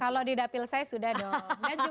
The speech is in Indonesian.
kalau tidak pilsai sudah dong